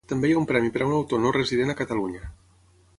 També hi ha un premi per a un autor no resident a Catalunya.